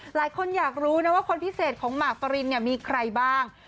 หลายคนอยากรู้นะว่าคนพิเศษของหมากฟารินเนี่ยมีใครบ้าง